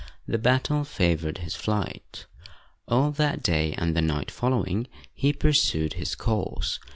The battle favored his flight. All that day and the night following, he pursued his course.